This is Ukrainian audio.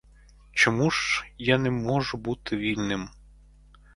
Чому ж я не можу бути вільним?